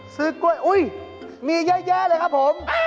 ซื้อกล้วยอุ๊ยมีเยอะแยะเลยครับผม